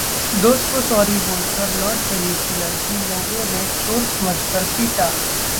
दोस्त को सॉरी बोलकर लौट रही थी लड़की, लोगों ने चोर समझकर पीटा